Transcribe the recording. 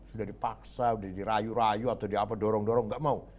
sudah dipaksa sudah dirayu rayu atau diapa dorong dorong gak mau